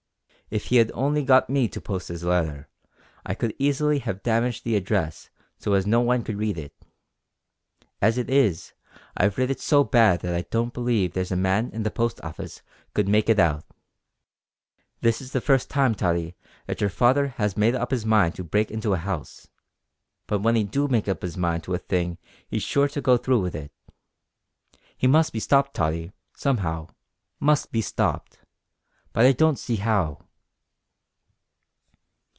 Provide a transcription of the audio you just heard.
If he had only got me to post his letter, I could easily have damaged the address so as no one could read it. As it is, I've writ it so bad that I don't believe there's a man in the Post Office could make it out. This is the first time, Tottie, that your father has made up his mind to break into a 'ouse, but when he do make up his mind to a thing he's sure to go through with it. He must be stopped, Tottie, somehow must be stopped but I don't see how."